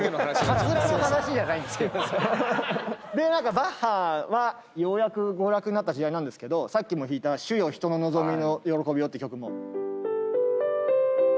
何かバッハはようやく娯楽になった時代なんですけどさっきも弾いた『主よ、人の望みの喜びよ』って曲も。